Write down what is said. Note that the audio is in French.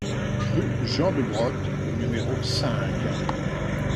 Rue Jean Debrot au numéro cinq